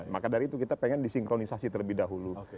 maka dari itu kita pengen disinkronisasi terlebih dahulu